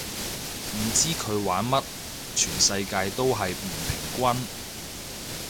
唔知佢玩乜，全世界都係唔平均